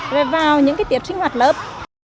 rồi vào những cái tiết sinh hoạt lớp